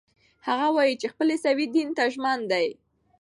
هغه وايي چې خپل عیسوي دین ته ژمن دی.